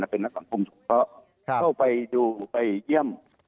เป็นนักการพรมสุขเข้าไปดูไปเยี่ยม